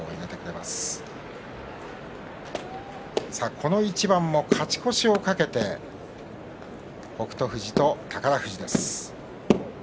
この一番も勝ち越しを懸けて北勝富士と宝富士です。